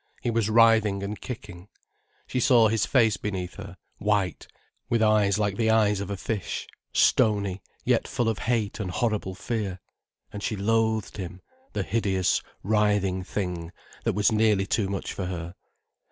He was writhing and kicking. She saw his face beneath her, white, with eyes like the eyes of a fish, stony, yet full of hate and horrible fear. And she loathed him, the hideous writhing thing that was nearly too much for her.